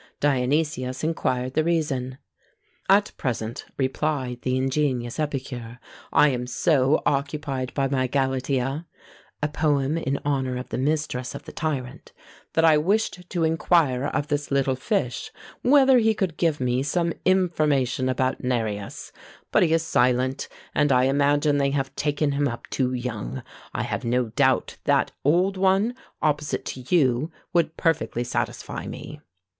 Dionysius inquired the reason. "At present," replied the ingenious epicure, "I am so occupied by my Galatea," (a poem in honour of the mistress of the tyrant,) "that I wished to inquire of this little fish, whether he could give me some information about Nereus; but he is silent, and I imagine they have taken him up too young: I have no doubt that old one, opposite to you, would perfectly satisfy me."